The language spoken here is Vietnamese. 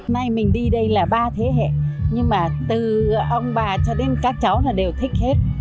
nay mình đi đây là ba thế hệ nhưng mà từ ông bà cho đến các cháu là đều thích hết